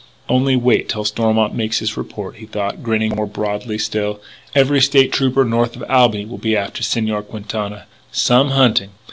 "Only wait till Stormont makes his report," he thought, grinning more broadly still. "Every State Trooper north of Albany will be after Señor Quintana. Some hunting!